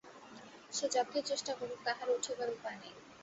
সে যতই চেষ্টা করুক, তাহার উঠিবার উপায় নাই।